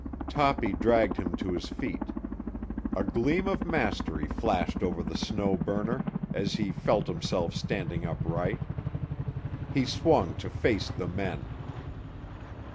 Toppy dragged him to his feet. A gleam of mastery flashed over the Snow Burner as he felt himself standing upright. He swung to face the men.